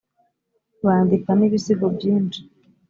bandika n’ibisigo byinshi